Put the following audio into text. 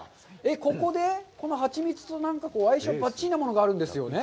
ここで、このハチミツと何か相性ばっちりなものがあるんですよね？